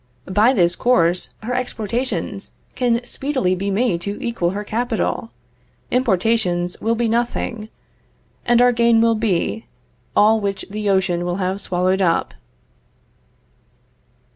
By this course, her exportations can speedily be made to equal her capital; importations will be nothing, and our gain will be, all which the ocean will have swallowed up.